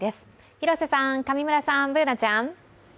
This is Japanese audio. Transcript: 広瀬さん、上村さん、Ｂｏｏｎａちゃん。